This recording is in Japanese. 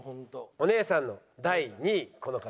お姉さんの第２位この方。